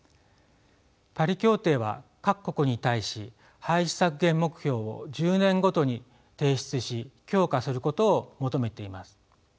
パリ協定は各国に対し排出削減目標を１０年ごとに提出し強化することを求めています。